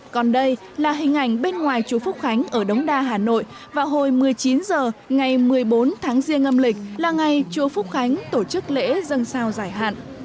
còn đây là hình ảnh bên ngoài chú phúc khánh ở đống đa hà nội vào hồi một mươi chín h ngày một mươi bốn tháng riêng âm lịch là ngày chùa phúc khánh tổ chức lễ dân sao giải hạn